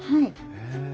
へえ。